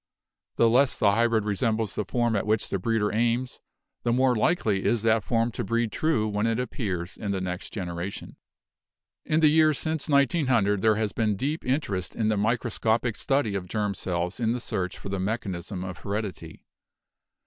The less the hybrid resembles the form at which the breeder aims, the more likely is that form to breed true when it appears in the next generation. In the years since 1900 there has been deep interest in the microscopic study of germ cells in the search for the mechanism of heredity.